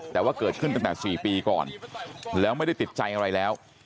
แต่ว่าเกิดขึ้นตั้งแต่๔ปีก่อนแล้วไม่ได้ติดใจอะไรแล้ว